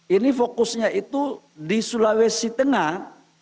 ini fokusnya itu di sulawesi tengah